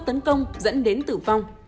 tấn công dẫn đến tử vong